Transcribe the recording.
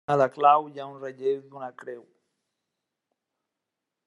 A la clau hi ha un relleu d'una creu.